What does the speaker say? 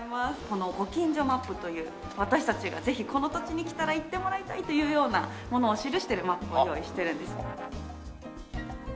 このご近所マップという私たちがぜひこの土地に来たら行ってもらいたいというようなものを印しているマップを用意してるんです。